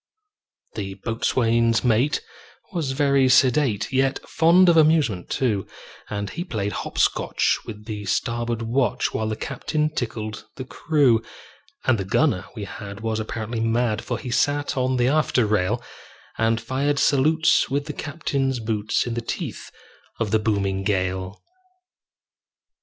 The boatswain's mate was very sedate, Yet fond of amusement, too; And he played hop scotch with the starboard watch, While the captain tickled the crew. And the gunner we had was apparently mad, For he sat on the after rail, And fired salutes with the captain's boots, In the teeth of the booming gale.